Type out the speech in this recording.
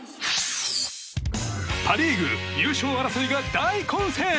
パ・リーグ優勝争いが大混戦。